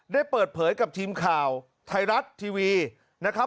ได้เปิดเผยกับทีมข่าวไทยรัฐทีวีนะครับ